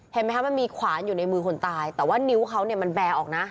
เห็นไหมคะมันมีขวานอยู่ในมือคนตายแต่ว่านิ้วเขาเนี่ยมันแบร์ออกนะ